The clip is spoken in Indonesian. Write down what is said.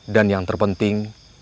dan yang terpenting